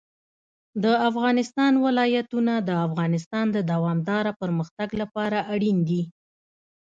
د افغانستان ولايتونه د افغانستان د دوامداره پرمختګ لپاره اړین دي.